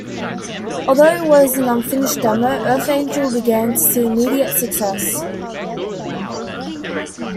Although it was an unfinished demo, "Earth Angel" began to see immediate success.